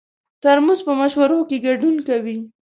ترموز په مشورو کې ګډون کوي.